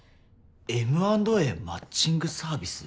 Ｍ＆Ａマッチングサービス？